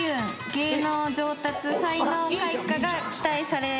芸能上達才能開花が期待されます。